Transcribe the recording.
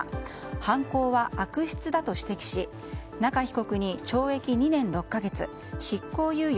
犯行は悪質だと指摘し中被告に懲役２年６か月執行猶予